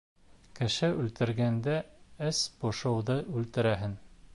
Кеше үлтергәндә, эс бошоуҙы үлтерәһең.